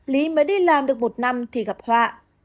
lý mới đi làm được một năm thì gặp họa